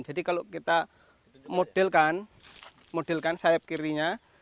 jadi kalau kita modelkan sayap kirinya